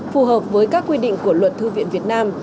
phù hợp với các quy định của luật thư viện việt nam